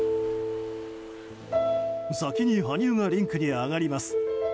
先に羽生がリンクに上がります。